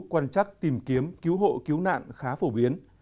quan trắc tìm kiếm cứu hộ cứu nạn khá phổ biến